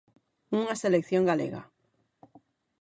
Unha selección galega.